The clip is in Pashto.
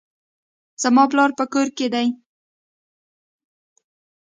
زما پلار په کور کښي دئ.